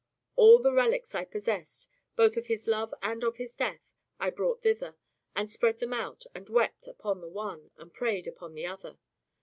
All the relics I possessed, both of his love and of his death, I brought thither; and spread them out, and wept upon the one, and prayed upon the other.